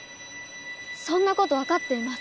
そんなことわかっています。